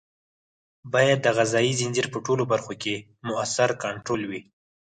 باید د غذایي ځنځیر په ټولو برخو کې مؤثر کنټرول وي.